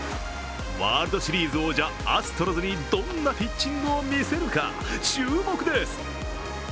ワールドシリーズ王者アストロズにどんなピッチングを見せるか注目です。